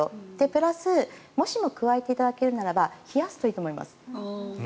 プラスもしも加えていただけるならば冷やすといいと思います。